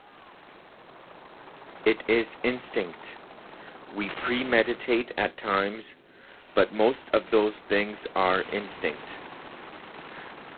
It is instinct... We premeditate at times, but most of those things are instinct.